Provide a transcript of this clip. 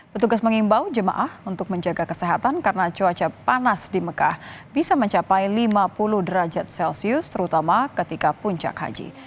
petugas mengimbau jemaah untuk menjaga kesehatan karena cuaca panas di mekah bisa mencapai lima puluh derajat celcius terutama ketika puncak haji